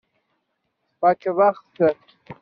Tfakkeḍ-aɣ-t.